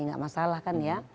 nggak masalah kan ya